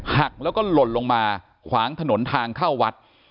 หักแล้วก็หล่นลงมาขวางถนนทางเข้าวัด